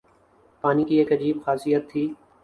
پانی کی ایک عجیب خاصیت تھی